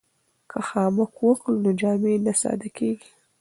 که خامک وکړو نو جامې نه ساده کیږي.